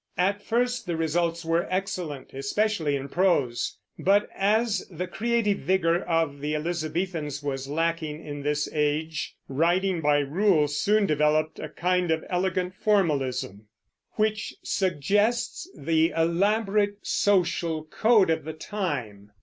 At first the results were excellent, especially in prose; but as the creative vigor of the Elizabethans was lacking in this age, writing by rule soon developed a kind of elegant formalism, which suggests the elaborate social code of the time.